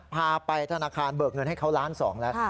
พาไปธนาคารเบิกเงินให้เขาล้านสองแล้ว